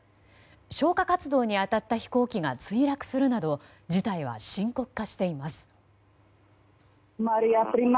消火活動に当たった飛行機が墜落するなど事態は深刻化しています。